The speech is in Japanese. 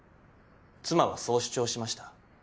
妻はそう主張しました。